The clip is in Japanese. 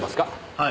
はい。